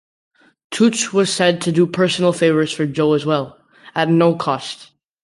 Toots was said to do personal favors for Joe as well, at no cost.